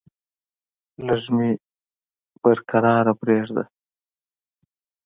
لږ مې په کرار پرېږده!